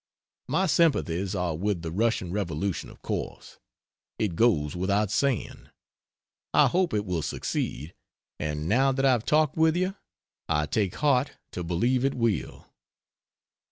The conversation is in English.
My sympathies are with the Russian revolution, of course. It goes without saying. I hope it will succeed, and now that I have talked with you I take heart to believe it will.